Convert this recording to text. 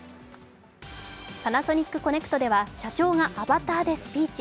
パナソニックコネクトでは社長がアバターでスピーチ。